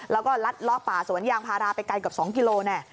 แล้วก็รัดลอกป่าสวนยางพาราไปไกลกับ๒พิโลกรัม